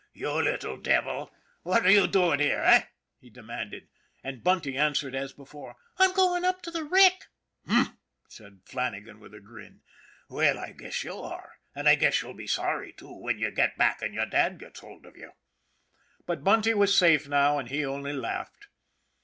" You little devil, what are you doing here, eh ?" he demanded. And Bunty answered as before :" I'm going up to the wreck." " Humph !" said Flannagan, with a grin. " Well, I guess you are, and I guess you'll be sorry, too, when you get back and your dad gets hold of you." ' But Bunty was safe now, and he only laughed.